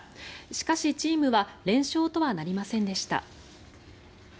しかし、チームは連勝とはなりませんでした。